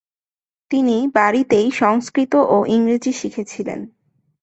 তিনি বাড়িতেই সংস্কৃত ও ইংরেজি শিখেছিলেন।